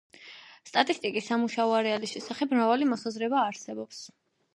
სტატისტიკის სამუშაო არეალის შესახებ მრავალი მოსაზრება არსებობს.